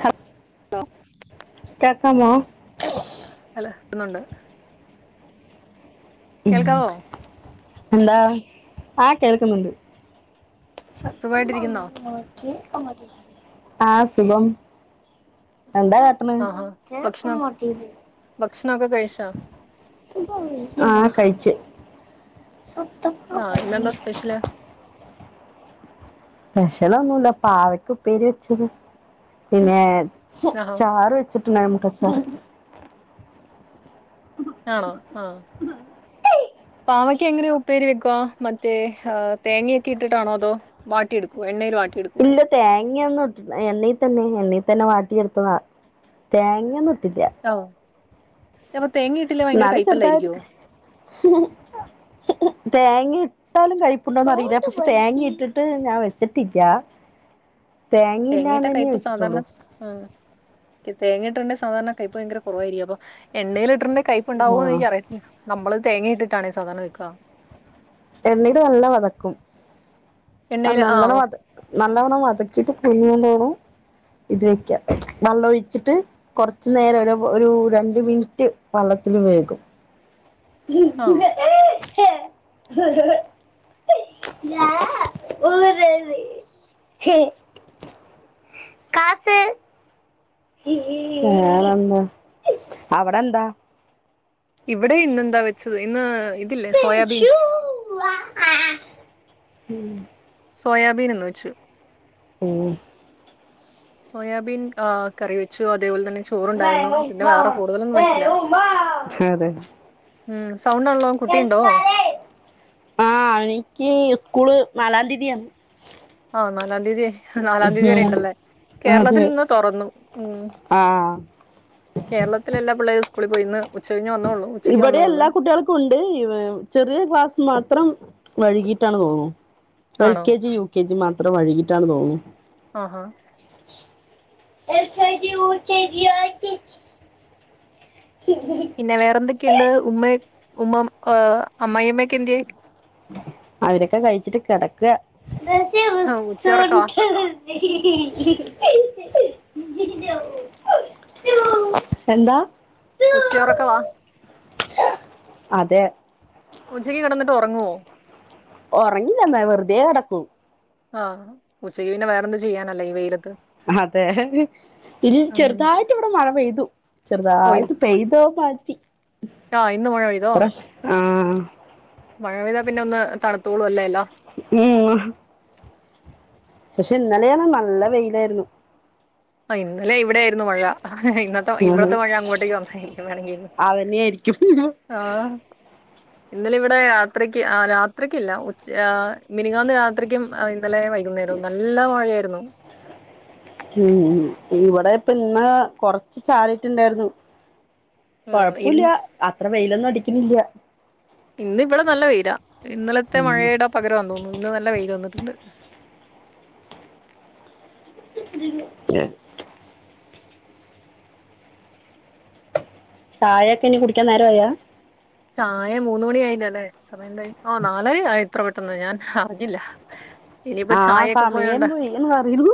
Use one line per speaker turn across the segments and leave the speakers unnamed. ഹപ്
ആ
എക്‌സാമോ
ഹലോ ക്കുന്നുണ്ട് കേൾക്കാവോ
എന്താ ആ കേൾക്കുന്നുണ്ട്
സുഖമായിട്ടിരിക്കുന്നോ
[unintelligible] ആ സുഖം എന്താ കാട്ട്ണേ
ആഹാ ഭക്ഷണം ഭക്ഷണൊക്കെ കഴിച്ചോ
ആ കഴിച്ചു
ആ ഇന്നെന്താ സ്പെഷ്യല്
സ്പെഷ്യലൊന്നുല്ല പാവക്ക ഉപ്പേരി വെച്ചത് പിന്നെ
ആഹാ
ചാറ് വെച്ചിട്ട്ണ്ടാ [unintelligible] [unintelligible]
ആണോ ആ പാവയ്ക്ക എങ്ങനെ ഉപ്പേരി വെക്കോ മറ്റേ തേങ്ങയൊക്കെ ഇട്ടിട്ടാണോ അതോ വാട്ടിയെടുക്കോ എണ്ണയിൽ വാട്ടി
ഇല്ല തേങ്ങയൊന്നും ഇട്ടിട്ട് എണ്ണയി തന്നെ എണ്ണ തന്നെ വാട്ടി എടുത്തതാ തേങ്ങയൊന്നും ഇട്ടില്ല
ആഹ് അപ്പൊ തേങ്ങയിട്ടില്ലേ ഭയങ്കര
എന്നാലും ചെറുതായിട്ട്
കയ്പ്പല്ലായിരിക്കുവോ
തേ ങ്ങ ഇട്ടാലും കയ്പ്പ് ഉണ്ടോന്ന് അറിയില്ല പക്ഷെ തേങ്ങ ഇട്ടിട്ട് ഞാൻ വെച്ചിട്ടില്ല തേങ്ങയില്ലാണ്ട്‌
തേങ്ങയിട്ടാ
തന്നെയേ വെച്ചിട്ടുള്ളു
തേങ്ങയിട്ടുണ്ടേൽ സാധാരണ കയ്പ് ഭയങ്കര കുറവായിരിക്കും അപ്പ എണ്ണയിലിട്ടുണ്ടേൽ കൈയ്പ്പുണ്ടാവുമോന്ന്
ആ
എനിക്കറിയത്തില്ല നമ്മള് തേങ്ങ ഇട്ടിട്ടാണേ സാധാരണ വെക്കാ
എണ്ണയിട്ട് നല്ല വതക്കും ആ
എണ്ണയില് ആഹ്
നല്ലവണ്ണം വത നല്ലവണം വതക്കിട്ട് [unintelligible] ഇത് വെക്കാം വെള്ളം ഒഴിച്ചിട്ട് കൊറച്ച് നേരം ഒരു ഒരു രണ്ട് മിനിറ്റ് വെള്ളത്തിൽ വേകും
ആഹ്
[unintelligible] [unintelligible] [unintelligible] വേറെ എന്താ അവിടെ എന്താ
ഇവിടെ ഇന്നെന്താ വെച്ചത് ഇന്ന് ഇതില്ലേ സോയാബീൻ
[unintelligible] ആ ഉം
സോയാബീൻ ഇന്ന് വെച്ചു
ഉം
സോയാബീൻ ആ കറി വെച്ചു അതേപോലെ തന്നെ ചോറുണ്ടായിരുന്നു പിന്നെ വേറെ കൂടുതലൊന്നും വെച്ചില്ല
[unintelligible] അതെ
ഉം സൗണ്ട് ആണല്ലോ കുട്ടിയുണ്ടോ
[unintelligible] ആ എനിക്ക് സ്കൂള് നാലാം തീതിയാണ്
ആഹ് നാലാം തീയതി, നാലാം തീയതി വരെ ഇണ്ടല്ലേ.
അതെ
കേരളത്തിൽ ഇന്ന് തൊറന്നു. ഉം
ആ
കേരളത്തിലെല്ലാ പിള്ളേരും സ്കൂ സ്കൂളി പോയി ഇന്ന് ഉച്ച കഴിഞ്ഞ് വന്നോളൂ ഉച്ചയ്ക്ക്
ഇവിടെ
വന്നോളൂ
എല്ലാ കുട്ടികൾക്കും ഉണ്ട് ചെറിയ ക്ലാസ് മാത്രം വൈകിട്ടാണെന്ന് തോന്നുന്നു എൽ
ആണോ
K G U K G മാ എത്ര വഴകിട്ടാണ് തോന്നുന്നു
ആഹ് ആഹ്
എൾക്കെ ജി യുകെജി ചെയ ജ [unintelligible]
പിന്നെ വേറെൻ ഉമ്മ ഏഹ് അമ്മായിയമ്മക്കെ- ന്ത്യെ?
അവരൊക്കെ കഴിച്ചിട്ട് കിടക്കുക ഹ്
ആ, ഉച്ചയുറക്കവാ
ഹ് [unintelligible] എന്താ?
ഉച്ചയുറക്കവാ
അതെ
ഉച്ചയ്ക്ക് കെടന്നിട്ട് ഒറങ്ങോ? [inaudible]
ഉറങ്ങി ഇല വെറുതെ കിടക്കൂ
ആഹ് ഉച്ചയ്ക്ക് പിന്നെ വേറെൊന്ത് ചെയ്യാനല്ലേ ഈ വെയില
അതെ ഇനി
ഉം
ചെറുതായിട്ട് ഇവിടെ മഴ പെയ്തു
ഓ ഇ-
ചെറുതായിട്ട് പെയ്തോ മാറ്റി
ആ ഇന്ന് മഴ പെയ്തോ
അത്ര ആ ആ
മഴ പെയ്താ പിന്നെ ഒന്ന് തണുത്തോളൂ ല്ല എല്ലാം
ഉം പക്ഷെ ഇന്നലെയാണ് നല്ല വെയിലായിരുന്നു.
അയിന്ദ ലെ ഇവിടെയായിരുന്നു മഴ. ഇന്നത്തെ ഇവിടത്തെ മഴ അങ്ങോട്ടേക്ക് വന്നതായിരിക്കും വേണെങ്കില്
അതന്നെയായിരിക്കും
ആഹ് ഇന്നലെ ഇവിടെ രാത്രിക്ക്, ആഹ് രാത്രിരിക്കില്ല. ഉച് ഏഹ് മിനങ്ങാന്ന് രാത്രിക്കും ഇന്നലെ വൈകുന്നേരും നല്ല മഴയായിരുന്നു.
ഇവിടെപ്പ ഇന്ന കൊറച്ച് ചാറി ട്ടുണ്ടായിരുന്നു
ഉം ഇ
കുഴപ്പില്ല അത്ര വെയിലൊന്നും അടിക്കുന്നില്ല
ഇന്ന് ഇവിടെ നല്ല വെയിലാ ഇന്നലത്തെ
ഉം
മഴയുടെ പകരം തോന്നുന്നു ഇന്ന് നല്ല വെയിൽ വന്നിട്ടുണ്ട്
ഏ ചായൊക്കെ ഇനി കുടിക്കാൻ നേരമായാ?
ചായ മൂന്ന മണി ആയില്ലല്ലേ സമയം എന്തായി ഓ നാലര ആയി ഇത്ര പെട്ടെന്ന് ഞാൻ അറിഞ്ഞില്ല. ഇനിയിപ്പോ
ആ
ചായയൊക്കെ
സമയം
പോയണ്ട
പോയി എന്ന് പറയുന്നു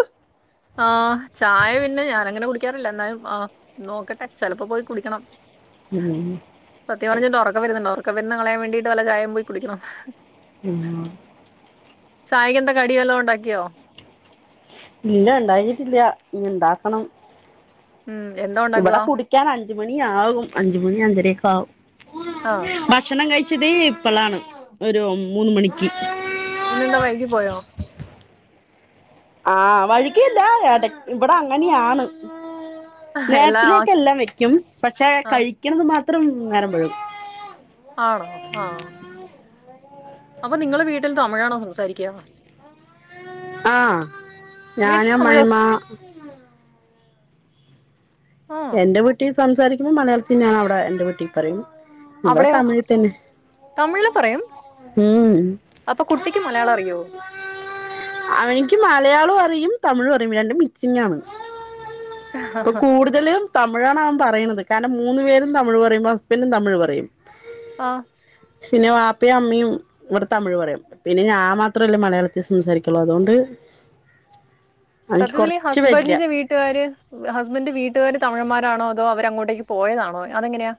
ആഹ ചായ പിന്നെ പിന്നെ ഞാനങ്ങനെ കുളിക്കാറില്ല എന്നാലും ആ നോക്കട്ടെ ചെലപ്പോ പോയി കുളിക്കണം
ഉം
സത്യം പറഞ്ഞിട്ട് ഒറക്ക ഒറക്കം വരുന്നത് കളയാൻ വേണ്ടീട്ട് വല്ല ചായേം പോയി കുടിക്കണോ
ഉം
ചായക്കെന്താ കടിവല്ലോം ഉണ്ടാക്കിയോ
ഇല്ല ഇണ്ടാക്കിട്ടില്ല ഇനി ഇണ്ടാക്കണം
ഉം എന്താ ഉണ്ടാക്കുക
മണിയാവും അഞ്ചുമണി അഞ്ചര ഒക്കെ ആവും
ആഹ്
ഭക്ഷണം കഴി ചിത് ഇപ്പളാണ് ഒരു മൂന്നു മണിക്ക്
ഇന്നെന്താ വൈകി പോയോ
ആഹ് വയികിയില്ല ഇട ഇവിടെ അങ്ങനെയാണ്
എല്ലാം
നേരത്തിലേക്കെ
ആക്കി
എല്ലാം വെക്കും പക്ഷെ
ആഹ്
കഴിക്കുന്നത് മാ [unintelligible] നേരംമ്പഴും
ആണോ ആ അപ്പൊ നിങ്ങള് വീട്ടിൽ തമിഴാണോ സംസാരിക്ക്യ
ആ ഞാന്
വീട്ടിൽ തമിഴാ
അമ്മായിമ്മ
ആഹ്
എന്റെ വീട്ടി സംസാരിക്കുമ്പോ മലയാളത്തി അവിടെ എന്റെ വീട്ടി പറയും ഇവിടെ
അവിടെയോ
തമിഴിൽ തന്നെ
തമിഴില് പറയും
ഉം
അപ്പൊ കുട്ടിക്ക് മലയാളം അറിയോ
അവനിക്ക് മലയാളോം അറിയും തമിഴും അറിയും രണ്ടും മിക്സിങ്ങാണ് ഇപ്പൊ കൂടുതലും തമിഴാണ് അവൻ പറയുന്നത് കാരണം മൂന്നു പേരും തിമിഴ് പറയുമ്പോ ഹസ്ബന്റും തമിഴ് പറയും
ആഹ്
[inaudible] പിന്ന വാപ് [unintelligible] അമ്മയും ഇവിടെ തമിഴ് പറയും. പിന്നെ ഞാൻ മാത്രമല്ലേ മലയാളത്തിൽ സംസാരി [unintelligible] അതുകൊണ്ട് എനിക്ക്
സത്യത്തിലീ
കൊറച്ച് പറ്റില്ല
ഹസ്ബന്റെ വീട്ടുകാര് ഹസ്ബന്റെ വീട്ടുകാര് തമിഴന്മാരാണോ? അതോ അവര് അങ്ങോട്ടേക്ക് പോയതാണോ? അതെങ്ങനെയാ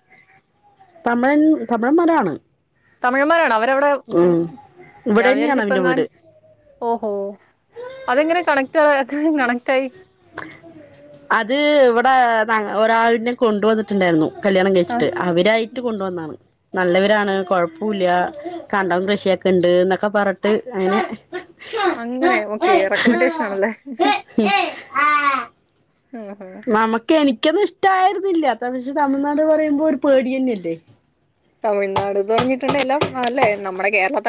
തമിഴൻ, തമിഴന്മാരാണ്.
തമിഴ്മാരാണോ അവ [unintelligible] മ്
ഉം ഇവിടെ
ഞാൻ വിചാരിച്ചു
തന്നെയാണ് അവന്റെ
ഇപ്പങ്ങാനും
വീട്
ഓഹോ അതെങ്ങനെ കണക്റ്റ് [unintelligible] [unintelligible]
അത് ഇവ്ടെ ന ഒരാളിനെ കൊണ്ടുവന്നിട്ടുണ്ടായിരുന്നു കല്യാണം
ആ
കഴിച്ചിട്ട് അവരായി [unintelligible] കൊണ്ടുവന്നാണ് നല്ലവരാണ് കൊഴപ്പൂല്ല കണ്ടം കൃഷിയൊക്കെ ഉണ്ട് എന്നൊക്കെ പറഞ്ഞിട്ട് അങ്ങനെ
അങ്ങനെ ഓക്കെ റെക്കമെന്റേഷൻ ആണല്ലേ ആഹാ.
നമ്മക്ക് എനി ക്കൊന്ന് ഇഷ്ടായിരുന്നില്ല പക്ഷേ തമിഴ്നാട് പറയുമ്പോൾ ഒരു പേടി തന്നെയല്ലേ
തമിഴ്നാട്ന്ന് പറഞ്ഞിട്ടുണ്ട് എല്ലാം അല്ലെ നമ്മുടെ കേരള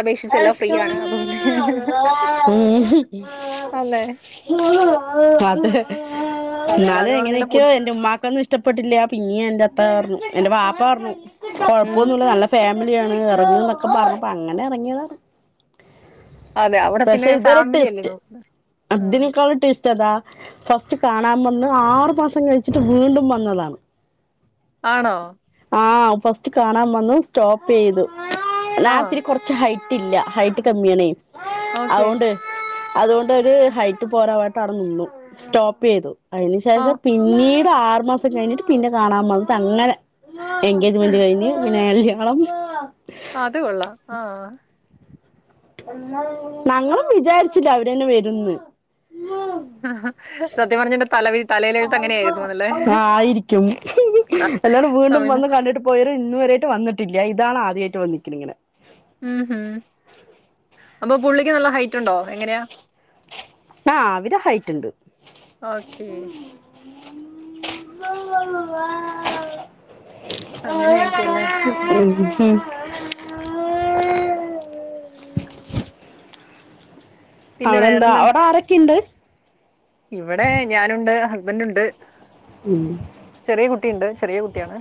ഉം
അല്ലേ
അതെ
തമിഴ്നാട്
ഞാന്
എന്ന് പറഞ്ഞിട്ട്
എങ്ങനെയൊക്കെയോ
പുതു
എന്റെ ഉമ്മാക്കൊന്നും ഇഷ്ടപ്പെട്ടില്ല പിന്നീട് എന്റെ അത്താ പറഞ്ഞു എൻ്റെ വാപ്പ പറഞ്ഞു
ഉം
കൊഴപ്പൊന്നില്ല നല്ല ഫാമി ഫാമിലിയാണ് പറഞ്ഞുനൊക്കെ പറഞ്ഞപ്പൊ അങ്ങനെ എറക്ക മിററെ
അതെ അവിടെ പിന്നെ ഫാമിലി അല്ലേ നോക്കുന്നെ
അതിനെകാട്ടിലും ടിസ്റ്റ് അതാ ഫസ്റ്റ് കാണാൻ വന്ന് ആറു മാസം കഴിച്ചിട്ട് വീണ്ടും വന്നതാണ്
ആണോ
ആഹ് ഫസ്റ്റ് കാണാൻ വന്നു സ്റ്റോപ്പ് ചെയ്തു
ആ
നാൻ കൊറച്ച് ഹൈറ്റ് റ്റില്ല ഹൈറ്റ് കമ്മിയാണേ
ഓക്കെ
അതോണ്ട് അതുകൊണ്ട് ഒരു ഹൈറ്റ് പോരാവട്ട് അവിടെനിന്നു സ്റ്റോപ്പ് ചെയ്തു അതിന്
ആ
ശേഷം പിന്നീട് ആറ് മാസം കഴിഞ്ഞിട്ട് പിന്നെ കാണാൻവന്നു തങ്ങനെ എൻഗേജ്മെന്റ് കഴിഞ്ഞ് പിന്നെ കല്യാണം ങ്ങളും
അത് കൊള്ളാം ആ
നങ്ങളും വിചാരിച്ചില്ല അവര് തന്നെ വരുവെന്ന്
ആഹാ സത്യം പറഞ്ഞാഎന്റെ തലവിധി തലയിലെഴുത്ത് അങ്ങനെ യായിരുന്നുന്നല്ലേ
ആ ആയിരിക്കും എല്ലാരും വീണ്ടും
തമിഴ്നാ
വന്ന് കണ്ടിട്ട് പോയവര് ഇന്ന് വരായിട്ട് വന്നിട്ടില്ല ഇതാണ് ആദ്യമായിട്ട് വന്നിക്കുന്നത് ഇങ്ങനെ
ഉം ഹും അപ്പൊ പുള്ളിക്ക് നല്ല ഹൈറ്റ് ഉണ്ടോ എങ്ങനെയാ
ആ അവര് ഹൈറ്റുണ്ട്
ഓക്കെ
ഉ ഉം
പിന്നെ
അവിടെ എന്താ
വേറെന്താണ്
അവിടെ ആരൊക്കെയിണ്ട്
ഇവിടെ ഞാനുണ്ട് ഹസ്ബൻഡ് ഉണ്ട്
ഉം
ചെറിയ കുട്ടിയിണ്ട് ചെറിയ കുട്ടിയാണ്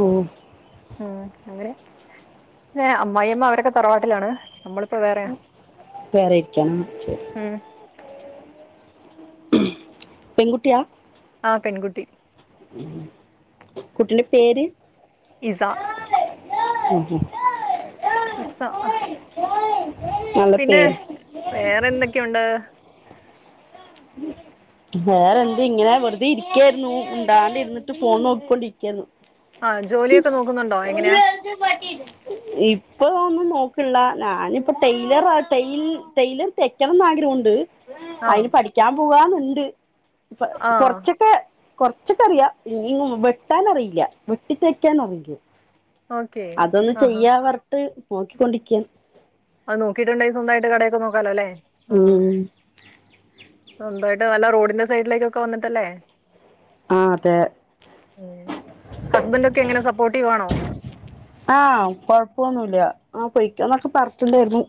ഓ
മ്മ് അങ്ങനെ പിന്നെ അമ്മായിമ്മ അവരക്കെ തറവാട്ടിലാണ് നമ്മളിപ്പോ വേറെയാ
വേറെ ഇരിക്കണം ശരി
ഉം
പെൺകുട്ടിയാ
ആ പെൺകുട്ടി
കുട്ടീൻ്റെ പേര്
ഇസാ
ഉം ഉം
ഇസാ
നല്ല
പിന്നെ
പേര്
വേറെ എന്തെക്കെ ഉണ്ട്
വേറെന്ത് ഇങ്ങനെ വെറുതെയിരിക്കായിരുന്നു മുണ്ടാണ്ടിരുന്നിട്ട് ഫോൺ നോക്കിക്കൊണ്ടിരിക്കായിരുന്നു
ആ ജോലിയൊക്കെ നോക്കുന്നുണ്ടോ എങ്ങനെയാ
ഇപ്പൊ നോക്കിള്ള ഞാനിപ്പ ടെയ്‌ലറാ ടെയ്ൽ ടെയ്‌ലർ തെയ്ക്കണം ന്നാഗ്രഹുണ്ട്
ആ
അയിന് പഠി പോവാന്ന്ണ്ട്
ആ
കൊറച്ചൊക്കെ കൊറച്ചൊക്കെറിയാം ഇനി വെട്ടാനറിയില്ല വെട്ടിത്തയ്ക്കാനറിയില്ല
ഓക്കെ
അതൊന്ന്
ആഹാ
ചെയ്യാ വർട്ട് നോക്കിക്കൊണ്ടിരിക്കാം
അത് നോക്കിട്ടുണ്ടെങ്കി സ്വന്തായിട്ട് കടയൊക്കെ നോക്കാലോ അല്ലെ
മ്മ്
സ്വന്തായിട്ട് വല്ല റോഡിന്റെ സൈഡിലേക്കൊക്കെ വന്നിട്ടല്ലേ
ആ അതെ
ഹസ്ബന്റോക്കെങ്ങനെ സപ്പോർട്ടീവാണോ
ആ കൊഴപ്പൊന്നുല്ല അ പൊയ്‌ക്കൊന്നൊക്കെ പറഞ്ഞിട്ടുണ്ടായിരുന്നു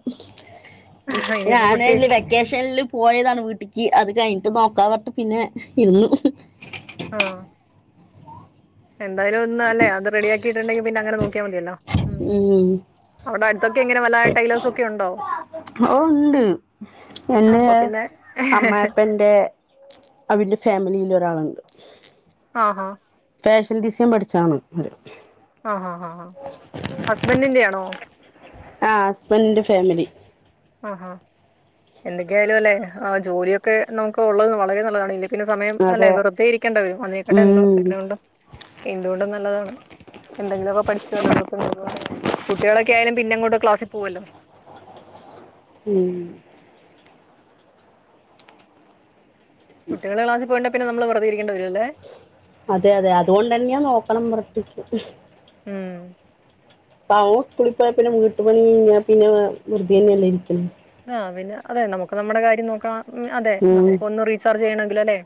ഇനിയിപ്പോ കുട്ടി
ഞാനെല് വെക്കേഷനില് പോയതാണ് വീട്ട് ജി അത് കഴിഞ്ഞിട്ട് നോക്കാന്ന് പറന്ട്ട് പിന്നെ ഇന്ന്
ആ എന്തായാലും ഒന്നല്ലേ അത് റെഡിയാക്കിട്ടിട്ടുണ്ടെങ്കി പിന്നങ്ങനെ നോ [unintelligible] മതിയല്ലോ മ്മ്
ഉം
അവിടടുത്തൊക് ക്കെങ്ങനേ വല്ല ടൈലോസൊക്കെ ഉണ്ടോ
ഓ ഇണ്ട് എൻ്റെ
അപ്പൊ പിന്നെ
അമ്മായിപ്പൻ്റെ അവരടെ ഫാമിലിയിലൊ ഒരാളെണ്ട്
ആഹാ
ഫാഷൻ ഡിസൈൻ പഠിച്ചാണ് ഒരു
ആ ആ ഹാ ഹാ ആ ഹസ്ബന്റിന്റെ ആണോ
ആ ഹസ്ബന്റിന്റെ ഫാമിലി
ആഹാ എന്തൊക്കെയായാലും അല്ലെ ആ ജോലിയൊക്കെ നമുക്ക് ഉള്ളത് വളരെ നല്ലതാണല്ലേ പിന്നെ സമയം അല്ലെ
അതെ
വെറുതെ ഇരിക്കേണ്ട വരും അന്നേക്കട്ടെ എന്തോ
ഉം
എത്ര കൊണ്ടും എന്തുകൊണ്ടും നല്ലതാണ് എന്തെങ്കിലുമ ഒക്കെ പഠിച്ചാലോതൊക്കെ നോക്ക കുട്ടികളൊക്കെ ആയാലും പിന്നെ അങ്ങോട്ട് ക്ലാസ് പോവല്ലോ
ഉം
കുട്ടികള് ക്ലാസി പോയിണ്ട പിന്നെ നമ്മള് വെറുതെ ഇരിക്കേണ്ടി വരും അല്ലേ
അതെ അതെ അതുകൊണ്ട് തന്നെയാ നോക്കണംന്നു പറഞ്ഞിട്ടിരിക്കണത്
ഉം
അവൻ സ്കൂളി പോയ പിന്നെ വീട്ടു പണി കഴിഞ്ഞാ പിന്നെ വെറുതെ തന്നെയല്ലേ ഇരിക്കല്
ആഹ പിന്നെ അതെ നമുക്ക് നമ്മുടെ കാര്യം നോക്കാം ഉം അതെ
ഉം
നമുക്ക് ഒന്ന് റീചാർജ് ചെയ്യണെ ഇല്ല ലെ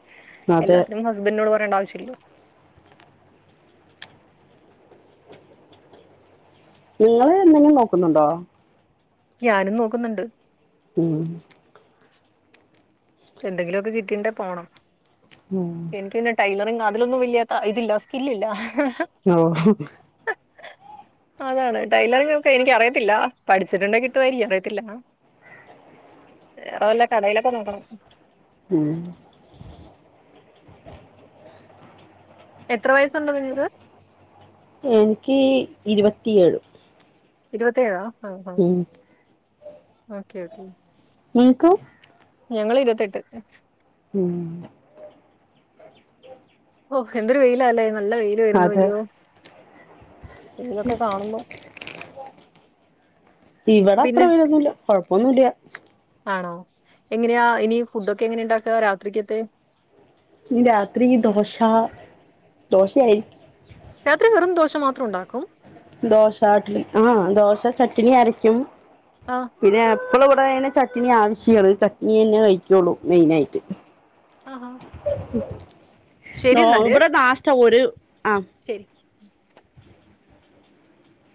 അതെ
എല്ലാത്തിനും ഹസ്ബന്റ്നോട് പറ ചോദിക്കേണ്ട ആവശ്യില്ലല്ലോ
നിങ്ങള് എന്തെങ്കിലും നോക്കുന്നുണ്ടോ
ഞാനും നോക്കുന്നണ്ട്
ഇം
എന്തെങ്കിലും ഒക്കെ കിട്ടീണ്ട പോണം
ഉം
എനിക്ക്ന്നെ ടൈലറിങ് അതിലൊന്നും വലിയ ത ഇതില്ല സ്കില്ലില്ല
ആഹ
അതാണ് ടൈലറിങ്ങ ഒക്കെ എനിക്ക അറിയത്തില്ല പഠിച്ചിട്ടുണ്ട കിട്ടുമായിരിക്കും അറിയത്തില്ല വേറെ വല്ല കടയിലൊക്കെ നോക്കണം
ഉം
എത്ര വയസ്സുണ്ട് നിങ്ങക്ക്
എനിക്ക് ഇരുപത്തിയേഴ്
ഇരുവത്തിഎഴാ ആഹ ആഹ
ഉം
ഓക്കെ ഓക്കെ
നിങ്ങക്കോ
ഞങ്ങള് ഇരുപത്തെട്ട്
ഉം
ഓഹ എന്ത്രരു വെയിൽഅലെ
അതെ.
വെയിലൊക്കെ കാണുമ്പോ
ഇവിടെ അത്ര
പിന്നെ
വെയിലൊന്നുല്ലാ കൊഴപ്പൊന്നുല്ല്യാ
ആണോ എങ്ങനെയാ ഇനി ഫുഡ് ഒക്കെ എങ്ങനെയ ഇണ്ടാക്കുക രാത്രിക്കത്തെ
ഇ രാത്രി ദോശ ദോശയായിരിക്കും
രാത്രി വെറും ദോശ മാത്രം ഉണ്ടാക്കും
ദോശാട്ടിൽ ആഹ് ദോശ ചട്ട്ണി അരക്കും.
ആ
പിന്നെ എപ്പളു വടെ അയ്ന് ചട്ട് ട്നി ആവശ്യാണ്. ചട്നി തന്നെ കഴിക്കുള്ളൂ മെയിനായിട്ട്.
ആഹാ
നോ ഇവിടെ നാഷ്ട ഒര്
ശരി.